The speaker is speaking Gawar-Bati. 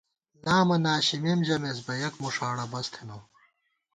لامہ ناشِمېم ژَمېس بہ یَک مُݭاڑہ بس تھنہ